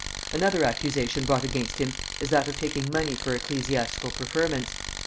Another accusation brought against him is that of taking money for ecclesiastical preferments.